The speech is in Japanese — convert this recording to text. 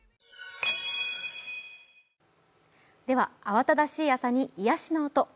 慌ただしい朝に癒やしの音。